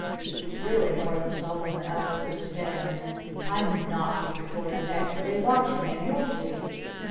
It was really more than Solomon Owl could stand. "I'm not!" he retorted angrily. "Watch me and you'll see!"